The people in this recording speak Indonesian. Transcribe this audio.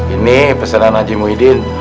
ini pesanan haji muhyiddin